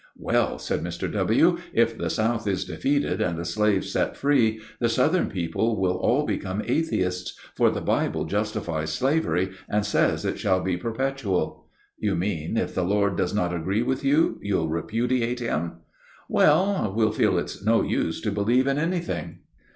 "Well," said Mr. W., "if the South is defeated and the slaves set free, the Southern people will all become atheists; for the Bible justifies slavery and says it shall be perpetual." "You mean, if the Lord does not agree with you, you'll repudiate him." "Well, we'll feel it's no use to believe in anything."